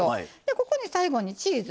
ここに最後にチーズ。